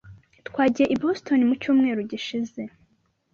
Twagiye i Boston mu cyumweru gishize.